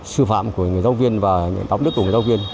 sư phạm của người giáo viên và đạo đức của người giáo viên